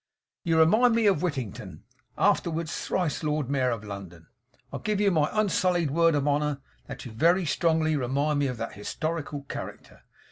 You remind me of Whittington, afterwards thrice Lord Mayor of London. I give you my unsullied word of honour, that you very strongly remind me of that historical character.